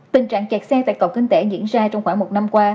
tình trạng kẹt xe tại cầu kinh tế diễn ra trong khoảng một năm qua